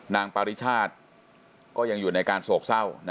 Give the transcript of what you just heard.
ปริชาติก็ยังอยู่ในการโศกเศร้า